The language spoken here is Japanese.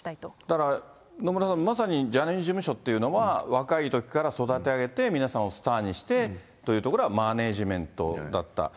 だから野村さん、まさにジャニーズ事務所っていうのは、若いときから育て上げて、皆さんをスターにしてというところはマネージメントだった。